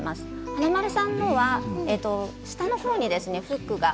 華丸さんのは下のほうにフックが。